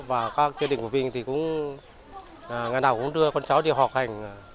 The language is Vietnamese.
và các gia đình của mình thì cũng ngày nào cũng đưa con cháu đi họp hành